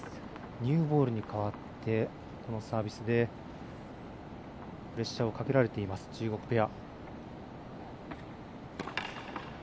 ニューボールに変わってこのサービスでプレッシャーをかけられている中国ペア。